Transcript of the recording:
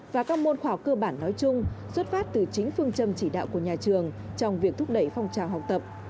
và các môn khoa học cơ bản nói chung xuất phát từ chính phương châm chỉ đạo của nhà trường trong việc thúc đẩy phong trào học tập